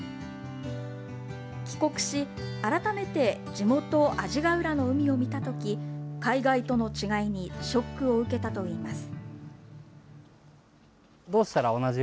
帰国し、改めて地元、阿字ヶ浦の海を見たとき、海外との違いにショックを受けたといいます。